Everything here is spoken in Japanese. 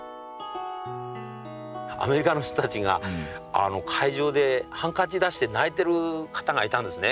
アメリカの人たちが会場でハンカチ出して泣いてる方がいたんですね。